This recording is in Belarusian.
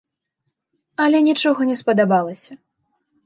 Але нічога не спадабалася.